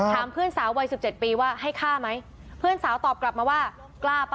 ถามเพื่อนสาวที่อายุ๑๗ปีให้ให้ฆ่าไหมเพื่อนสาวตอบกลับมาว่ากล้าปุ๊บล่ะ